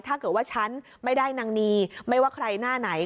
ถ้าเกิดว่าฉันไม่ได้นางนีไม่ว่าใครหน้าไหน